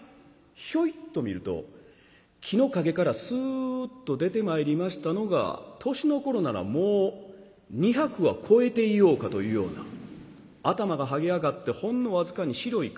ひょいっと見ると木の陰からスッと出てまいりましたのが年の頃ならもう２００は超えていようかというような頭がはげ上がってほんの僅かに白い髪の毛がほやほやほや。